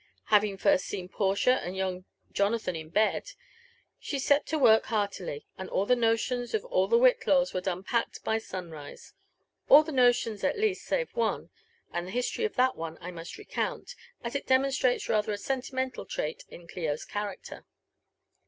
Having first seen Portia and young Jonathan in bed, she set to work heartily, and all the notions of all the Wbitlawa were done packed by sunrise; — all the notions, at least, save one; and the history of that one I must recount, as it demonstrates rather a sentimental trail in Clio's character.